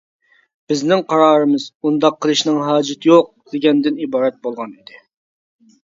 بىزنىڭ قارارىمىز «ئۇنداق قىلىشنىڭ ھاجىتى يوق»، دېگەندىن ئىبارەت بولغان ئىدى.